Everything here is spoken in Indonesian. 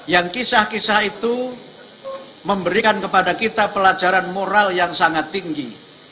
yang kisah kisah itu memberikan kepada kita pelajaran moral yang sangat tinggi